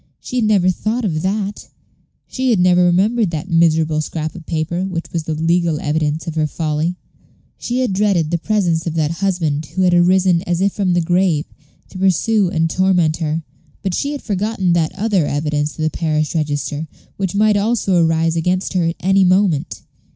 She had never thought of that; she had never remembered that miserable scrap of paper which was the legal evidence of her folly. She had dreaded the presence of that husband who had arisen, as if from the grave, to pursue and torment her, but she had forgotten that other evidence of the parish register, which might also arise against her at any moment.